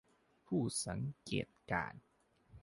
ผู้สังเกตการณ์